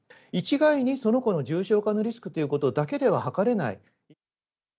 一概にその子の重症化のリスクということだけでははかれない。